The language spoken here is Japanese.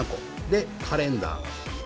でカレンダー。